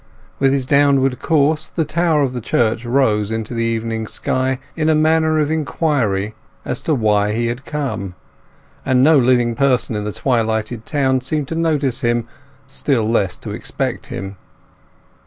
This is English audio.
With his downward course the tower of the church rose into the evening sky in a manner of inquiry as to why he had come; and no living person in the twilighted town seemed to notice him, still less to expect him.